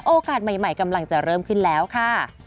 โอกาสใหม่กำลังจะเริ่มขึ้นแล้วค่ะ